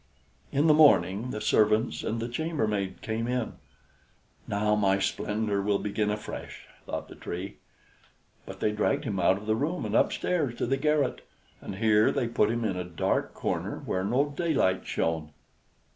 In the morning the servants and the chambermaid came in. "Now my splendor will begin afresh," thought the Tree. But they dragged him out of the room, and upstairs to the garret, and here they put him in a dark corner where no daylight shone.